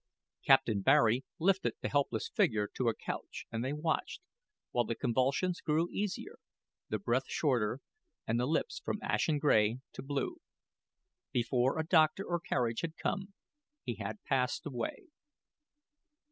Captain Barry lifted the helpless figure to a couch, and they watched, while the convulsions grew easier, the breath shorter, and the lips from ashen gray to blue. Before a doctor or carriage had come, he had passed away.